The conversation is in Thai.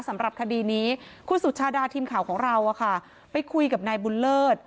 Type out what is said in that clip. สำหรับคดีนี้คุณสุชาดาทีมข่าวของเราไปคุยกับนายบุญเลิศ